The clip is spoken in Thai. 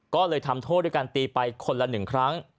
ก็เลยทำโทษด้วยการตีไปคนละ๑ครั้ง